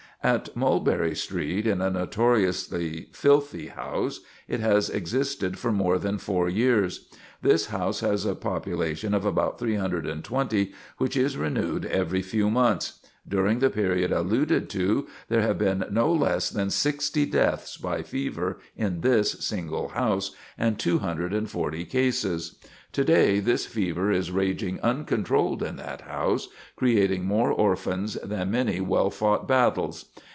At Mulberry Street, in a notoriously filthy house, it has existed for more than four years. This house has a population of about 320, which is renewed every few months. During the period alluded to, there have been no less than 60 deaths by fever in this single house, and 240 cases. To day this fever is raging uncontrolled in that house, creating more orphans than many well fought battles.